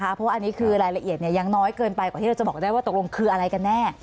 เพราะว่าอันนี้คือรายละเอียดยังน้อยเกินไปกว่าที่เราจะบอกได้ว่าตกลงคืออะไรกันแน่